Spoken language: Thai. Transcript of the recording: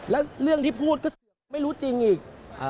แล้วเรื่องที่พูดก็ไม่รู้จริงอีก